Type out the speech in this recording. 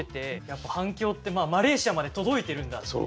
やっぱ反響ってマレーシアまで届いてるんだって。